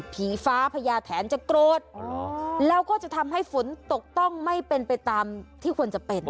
ฟ้าพญาแถนจะโกรธแล้วก็จะทำให้ฝนตกต้องไม่เป็นไปตามที่ควรจะเป็น